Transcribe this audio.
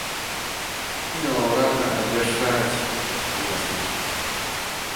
Імя лаўрэата абвяшчаюць у кастрычніку.